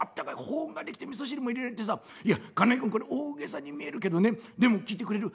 保温ができてみそ汁も入れられてさいや金井君これ大げさに見えるけどねでも聞いてくれる？